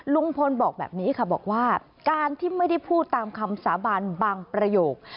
ลุงพลบอกแบบนี้ค่ะบอกว่าการที่ไม่ได้พูดตามคำสาบานบางประโยค